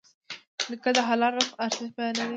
نیکه د حلال رزق ارزښت بیانوي.